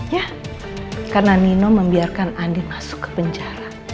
ya karena nino membiarkan andi masuk ke penjara